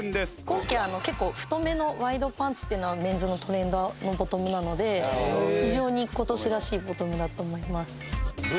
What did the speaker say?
今季太めのワイドパンツっていうのはメンズのトレンドのボトムなので非常に今年らしいボトムだと思います。